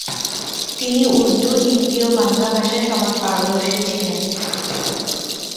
তিনি উর্দু, হিন্দী ও বাংলা ভাষায় সমান পারদর্শী ছিলেন।